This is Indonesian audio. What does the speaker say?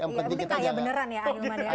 yang penting kaya beneran ya akhir akhir